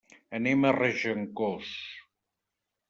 Anem a Regencós.